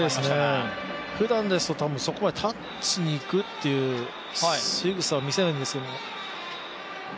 ふだんですとそこはタッチにいくというしぐさを見せないんですけど。